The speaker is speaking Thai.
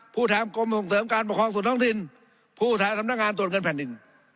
ผู้แทนกรมส่งเสริมการปกครองส่วนท้องถิ่นผู้แทนสำนักงานตรวจเงินแผ่นดิน